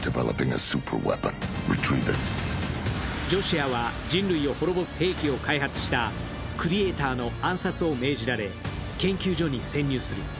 ジョシュアは人類を滅ぼす兵器を開発したクリエイターの暗殺を命じられ、研究所に潜入する。